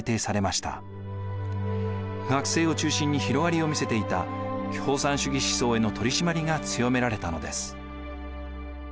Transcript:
学生を中心に広がりを見せていた共産主義思想への取締りが強められたのです。